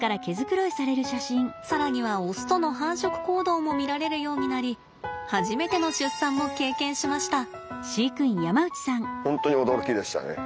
更にはオスとの繁殖行動も見られるようになり初めての出産も経験しました。